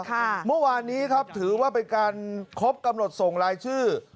เมื่อวานนี้ครับถือว่าเป็นการครบกำหนดส่งรายชื่อ